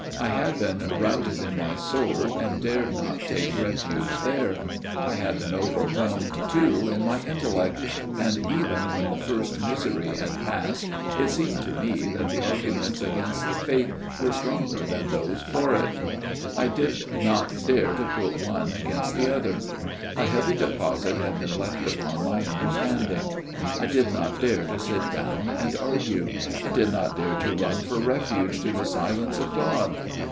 I had been routed in my soul and dared not take refuge there ; I had been overwhelmed too, in my intellect ; FATHER GIRDLESTONE'S TALE 115 and even when the first misery had passed it seemed to me that the arguments against the Faith were stronger than those for it. I did not dare to put one against the other. A heavy deposit had been left upon my understanding. I did not dare to sit down and argue ; I did not dare to run for refuge to the Silence of God.